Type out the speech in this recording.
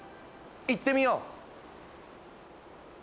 行ってみよう！